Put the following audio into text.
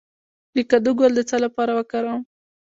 د کدو ګل د څه لپاره وکاروم؟